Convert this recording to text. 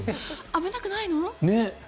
危なくないの？